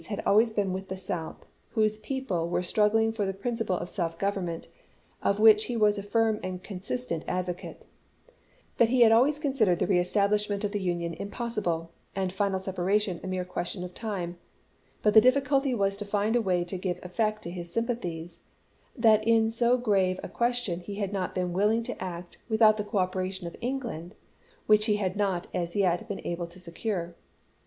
had always been with the South, whose people were struggling for the principle of self government, of which he was a firm and consistent advocate ; that he had always considered the reestablishment of the Union impossible, and final separation a mere ques tion of time ; but the difficulty was to find a way to give effect to his sympathies ; that in so grave a question he had not been willing to act without the cooperation of England, which he had not, as yet, been able to secure.